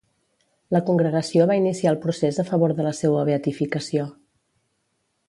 La congregació va iniciar el procés a favor de la seua beatificació.